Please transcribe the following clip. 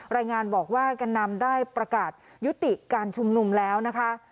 รายงานบอกว่าแก่นำได้ประกาศยุติการชุมนุมแล้วนะคะ